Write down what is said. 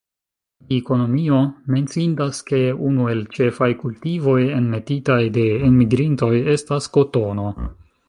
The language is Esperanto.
Pri ekonomio menciindas ke unu el ĉefaj kultivoj enmetitaj de enmigrintoj estas kotono.